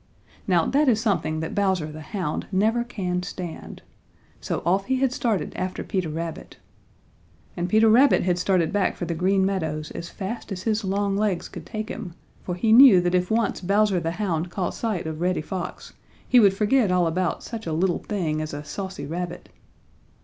Now that is something that Bowser the Hound never can stand. So off he had started after Peter Rabbit. And Peter Rabbit had started back for the Green Meadows as fast as his long legs could take him, for he knew that if once Bowser the Hound caught sight of Reddy Fox, he would forget all about such a little thing as a saucy rabbit.